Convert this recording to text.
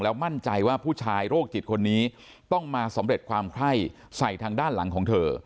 มั่นใจว่าผู้ชายโรคจิตคนนี้ต้องมาสำเร็จความไข้ใส่ทางด้านหลังของเธอ